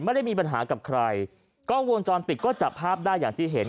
ไม่ได้มีปัญหากับใครกล้องวงจรปิดก็จับภาพได้อย่างที่เห็น